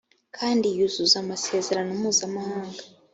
kandi yuzuza amasezerano mpuzamahanga